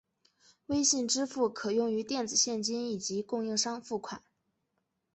微信支付可用于电子现金以及供应商付款。